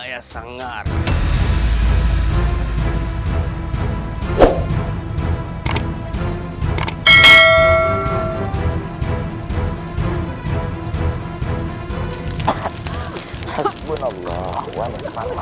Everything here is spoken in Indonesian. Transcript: ayu siram terus padamkan apinya